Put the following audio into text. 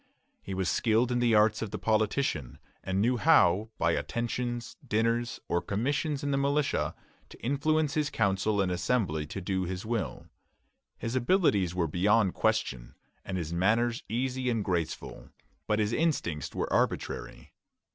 He was skilled in the arts of the politician, and knew how, by attentions, dinners, or commissions in the militia, to influence his Council and Assembly to do his will. His abilities were beyond question, and his manners easy and graceful; but his instincts were arbitrary.